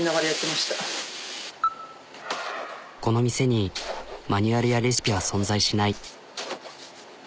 この店にマニュアルやレシピは存在しない。